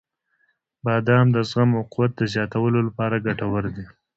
• بادام د زغم او قوت د زیاتولو لپاره ګټور دی.